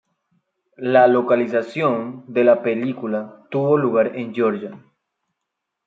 La locación de la película tuvo lugar en Georgia.